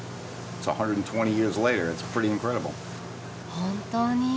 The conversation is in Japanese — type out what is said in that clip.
本当に。